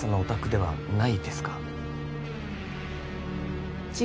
はい？